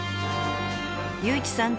祐一さん